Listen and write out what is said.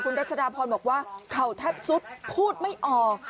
รัชดาพรบอกว่าเข่าแทบสุดพูดไม่ออก